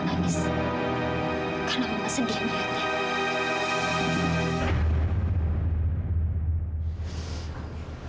kalau mama sedih melihatnya